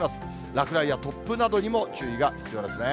落雷や突風などにも注意が必要ですね。